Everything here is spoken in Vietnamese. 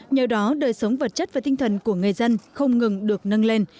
nhờ đó đời sống vật chất và tinh thần của người dân không ngừng được nâng lên